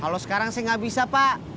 kalo sekarang sih gak bisa pak